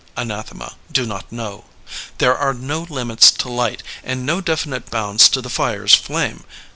Anathema, do not know. ^There are no limits to light, and no definite bounds to the fire's flame.